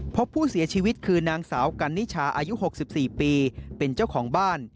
พบผู้เสียชีวิตคือนางสาวกันนิชาอายุ๖๔ปีเป็นเจ้าของบ้าน